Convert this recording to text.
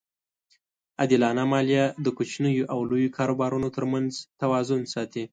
عادلانه مالیه د کوچنیو او لویو کاروبارونو ترمنځ توازن ساتي.